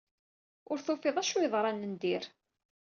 Ur tufiḍ d acu yeḍṛan n dir.